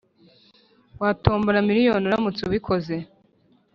watombora miliyoni uramutse ubikoze.